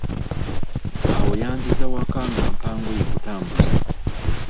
Awo yanziza waka ng'ampa ngoye kutambuza.